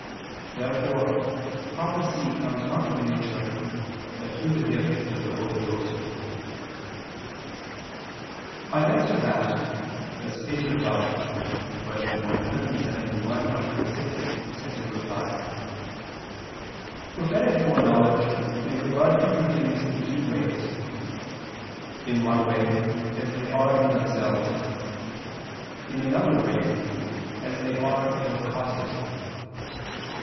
Therefore prophecy comes not from nature, but through the gift of the Holy Ghost. I answer that, As stated above (Q. 171, A. 6, ad 2) prophetic foreknowledge may regard future things in two ways: in one way, as they are in themselves; in another way, as they are in their causes.